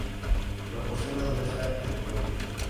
Proporciona dureza en el golpe.